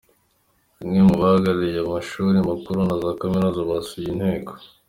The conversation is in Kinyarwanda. Bamwe mu bahagarariye amashuri makuru na za Kaminuza basuye Inteko.